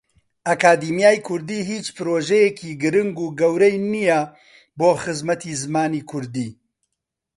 ئەکادیمیای کوردی هیچ پرۆژەیەکی گرنگ و گەورەی نییە بۆ خزمەتی زمانی کوردی.